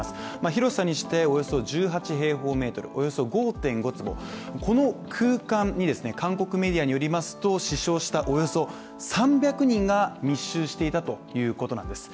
広さにしておよそ１８平方メートル、およそ５．５坪、この空間に韓国メディアによりますと死傷したおよそ３００人が密集していたということなんです。